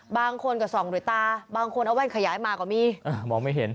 บางคนก็ส่องด้วยตาบางคนเอาแว่นขยายมาก็มีมองไม่เห็น